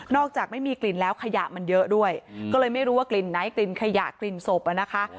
จากไม่มีกลิ่นแล้วขยะมันเยอะด้วยก็เลยไม่รู้ว่ากลิ่นไหนกลิ่นขยะกลิ่นศพอ่ะนะคะ